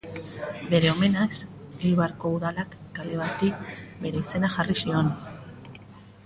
Bere omenez Eibarko Udalak kale bati bere izena jarri zion.